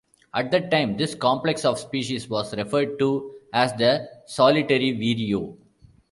At that time, this complex of species was referred to as the "solitary vireo".